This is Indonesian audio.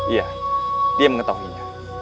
ya dia mengetahuinya